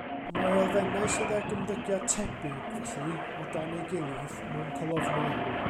Mae'r elfennau sydd ag ymddygiad tebyg, felly, o dan ei gilydd, mewn colofnau.